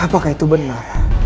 apakah itu benar